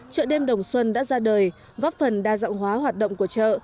chợ đêm đồng xuân đã ra đời góp phần đa dạng hóa hoạt động của chợ